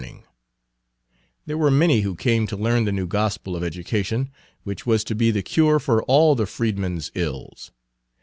Page 152 There were many who came to learn the new gospel of education, which was to be the cure for all the freedmen's ills.